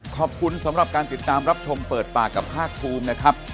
ขอบคุณสำหรับการติดตามรับชมเปิดปากกับภาคภูมินะครับ